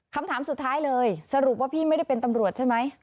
คำถามสุดท้ายเลยสรุปว่าพี่ไม่ได้เป็นตำรวจใช่ไหม